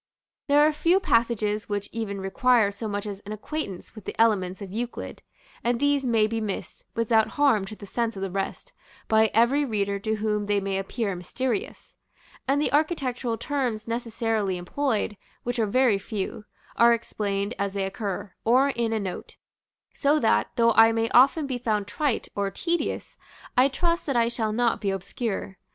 There are few passages which even require so much as an acquaintance with the elements of Euclid, and these may be missed, without harm to the sense of the rest, by every reader to whom they may appear mysterious; and the architectural terms necessarily employed (which are very few) are explained as they occur, or in a note; so that, though I may often be found trite or tedious, I trust that I shall not be obscure.